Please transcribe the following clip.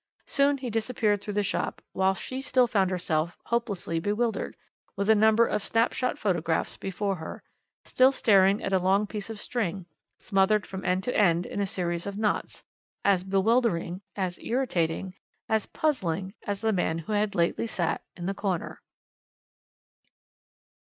Soon he disappeared through the shop, whilst she still found herself hopelessly bewildered, with a number of snap shot photographs before her, still staring at a long piece of string, smothered from end to end in a series of knots, as bewildering, as irritating, as puzzling as the man who had lately sat in the corner.